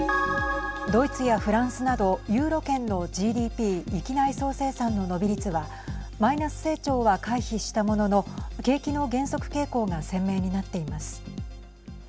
ドイツやフランスなどユーロ圏のＧＤＰ＝域内総生産の伸び率はマイナス成長は回避したものの景気の減速傾向が鮮明になっています。